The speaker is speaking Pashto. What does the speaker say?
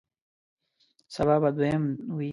سبا به دویم وی